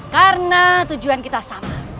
karena tujuan kita sama